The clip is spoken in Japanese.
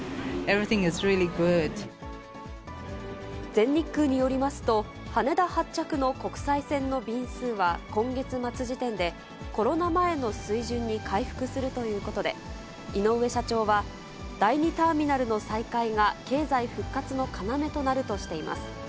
全日空によりますと、羽田発着の国際線の便数は今月末時点で、コロナ前の水準に回復するということで、井上社長は、第２ターミナルの再開が経済復活の要となるとしています。